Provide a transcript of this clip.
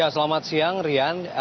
selamat siang rian